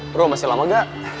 bro masih lama gak